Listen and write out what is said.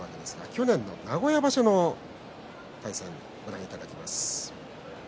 去年の名古屋場所の対戦ご覧いただきます。